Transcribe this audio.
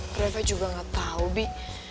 mereka juga gak tau bi